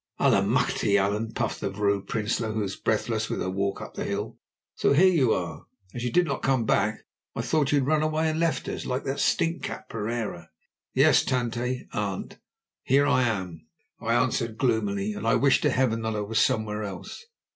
"Allemachte! Allan," puffed the Vrouw Prinsloo, who was breathless with her walk up the hill, "so here you are! As you did not come back, I thought you had run away and left us, like that stinkcat Pereira." "Yes, Tante (aunt), here I am," I answered gloomily, "and I wish to heaven that I was somewhere else."